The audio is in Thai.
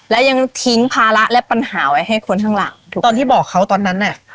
และยังทิ้งภาระและปัญหาไว้ให้คนข้างหลังถูกตอนที่บอกเขาตอนนั้นน่ะ